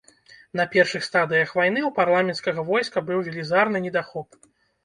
На першых стадыях вайны ў парламенцкага войска быў велізарны недахоп.